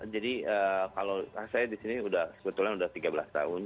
jadi kalau saya di sini sebetulnya sudah tiga belas tahun